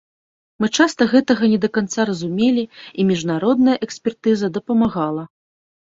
Мы часта гэтага не да канца разумелі, і міжнародная экспертыза дапамагала.